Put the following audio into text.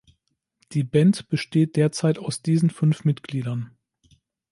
Die Band besteht derzeit aus diesen fünf Mitgliedern.